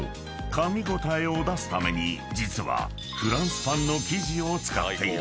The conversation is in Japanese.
かみ応えを出すために実はフランスパンの生地を使っている］